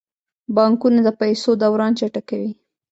بانکونه د پیسو دوران چټکوي.